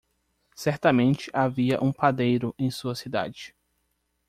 Certamente havia um padeiro em sua cidade.